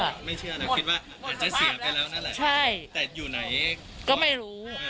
ว่าจะเสียไปแล้วนั่นแหละ